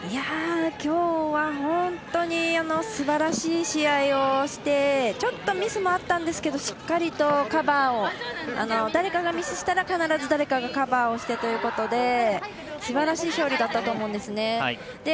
きょうは本当にすばらしい試合をしてちょっとミスもあったんですけどしっかりとカバーを誰かがミスしたら、必ず誰かがカバーをしてということですばらしい勝利だったと思うんですね。